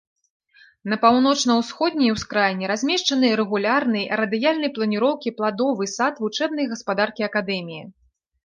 На паўночна-ўсходняй ускраіне размешчаны рэгулярны, радыяльнай планіроўкі пладовы сад вучэбнай гаспадаркі акадэміі.